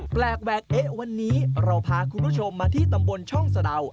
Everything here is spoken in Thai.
แปลกแหวกเอ๊ะวันนี้เราพาคุณผู้ชมมาที่ตำบลช่องสะดาว